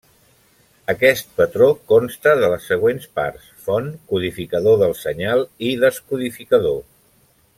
Aquest patró consta de les següents parts: font, codificador del senyal i descodificador.